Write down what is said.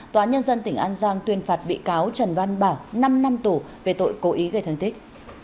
tòa án nhân dân tỉnh an giang tuyên phạt bị cáo trần văn bảo năm năm tù về tội cố ý gây thương tích